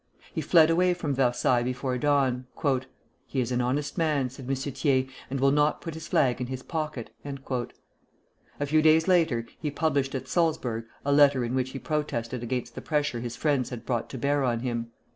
He fled away from Versailles before dawn. "He is an honest man," said M. Thiers, "and will not put his flag in his pocket." A few days later he published at Salzburg a letter in which he protested against the pressure his friends had brought to bear on him.